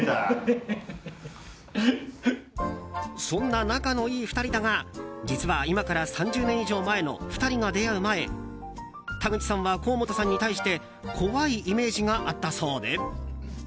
そんな仲の良い２人だが実は、今から３０年以上前の２人が出会う前田口さんは甲本さんに対して怖いイメージがあったそうで。